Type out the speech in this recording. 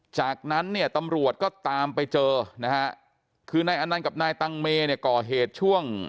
จากนั้นเนี่ยตำรวจก็ตามไปเจอนะฮะคือนายอนันต์กับนายตังเมเนี่ยก่อเหตุช่วง